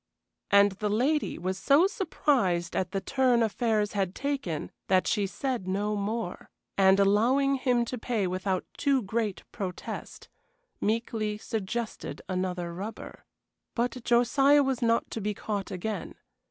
And the lady was so surprised at the turn affairs had taken that she said no more, and, allowing him to pay without too great protest, meekly suggested another rubber. But Josiah was not to be caught again.